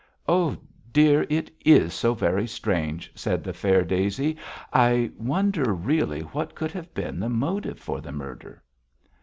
'Oh, dear, it is so very strange!' said the fair Daisy. 'I wonder really what could have been the motive for the murder?'